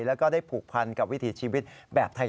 แล้วก็ได้ผูกพันกับวิถีชีวิตแบบไทย